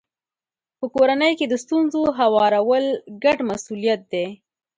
په کورنۍ کې د ستونزو هوارول ګډ مسولیت دی.